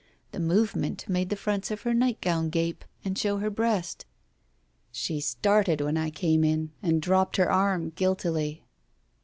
The movement made the fronts of her nightgown gape, and show her breast. She started when I came in, and dropped her arm guiltily.